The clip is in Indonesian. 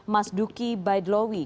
mas duki baidlawi